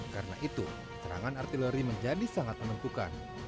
karena itu serangan artileri menjadi sangat menentukan